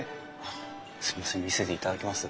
すみません見せていただきます。